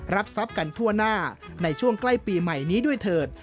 รับทรัพย์กันทั่วหน้าในช่วงใกล้ปีใหม่นี้ด้วยเถิด